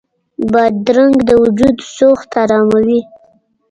بادرنګ د وجود سوخت اراموي.